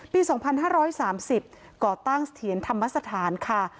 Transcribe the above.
ปี๒๕๓๐ก่อตั้งเสถียรธรรมสถานค่ะ